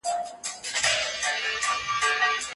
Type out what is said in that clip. هیلې ته یې د چایو پیاله د یوې خاموشې اشارې په واسطه ورکړه.